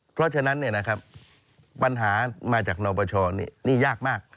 เพราะฉะนั้นปัญหามาจากนปชนี่ยากมาก